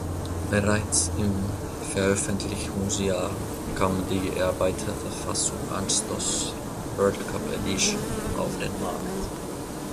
Bereits im Veröffentlichungsjahr kam die erweiterte Fassung Anstoss World Cup Edition auf den Markt.